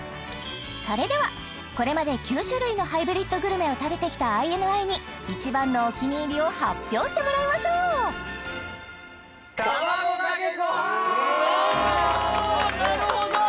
それではこれまで９種類のハイブリッドグルメを食べてきたＩＮＩに一番のお気に入りを発表してもらいましょうああなるほど！